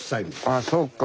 あそうか。